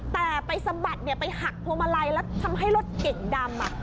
แต่ไปสะบัดไปหักพวงมาลัยแล้วทำให้รถเก่งดำ